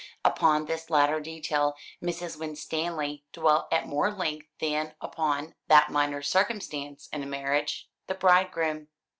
Upon this latter detail Mrs. Winstanley dwelt at more length than upon that minor circumstance in a marriage the bridegroom.